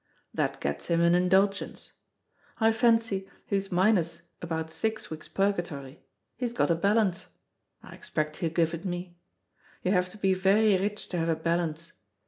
That gets him an indulgence. I fancy he's minus about six weeks' purgatory. He's got a balance. I expect he'll give it me. You have to be very rich to have a balance.